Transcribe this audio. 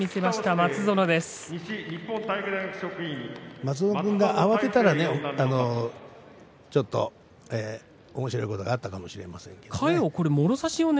松園君が慌てたらちょっとおもしろいことがあったかもしれませんね。